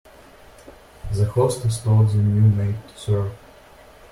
The hostess taught the new maid to serve.